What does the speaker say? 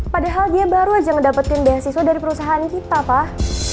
padahal dia baru aja mendapatkan beasiswa dari perusahaan kita pak